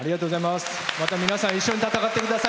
また皆さん一緒に戦ってください。